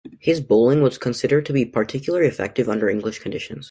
His bowling was considered to be particularly effective under English conditions.